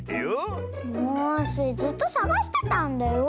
もうスイずっとさがしてたんだよ！